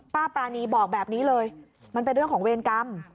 ปรานีบอกแบบนี้เลยมันเป็นเรื่องของเวรกรรม